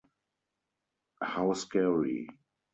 How scary!